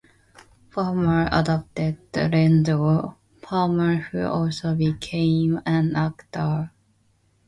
Palmer adopted Renzo Palmer who also became an actor.